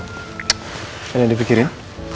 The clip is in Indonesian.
enggak ada yang dipikirin